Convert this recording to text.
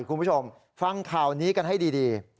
คุณผู้ชมฟังข่าวนี้กันให้ดี